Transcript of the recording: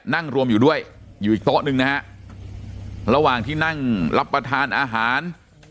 นั่งรวมอยู่ด้วยอยู่อีกโต๊ะหนึ่งนะฮะระหว่างที่นั่งรับประทานอาหาร